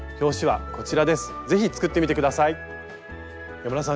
山田さん